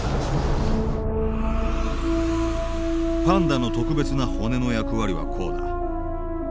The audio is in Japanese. パンダの特別な骨の役割はこうだ。